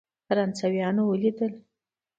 فرانسویان ولیدل.